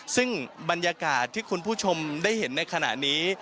ซึ่งบรรยากาศที่คุณผู้ชมได้เห็นในขณะนี้